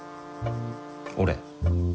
俺。